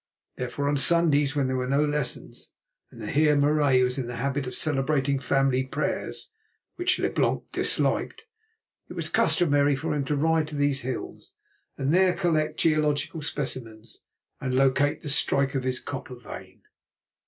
Therefore, on Sundays, when there were no lessons, and the Heer Marais was in the habit of celebrating family prayers, which Leblanc disliked, it was customary for him to ride to these hills and there collect geological specimens and locate the strike of his copper vein.